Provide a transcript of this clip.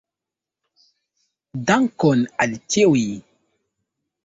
Dankon al ĉiuj.